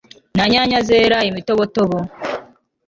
nta nyanya zera imitobotobo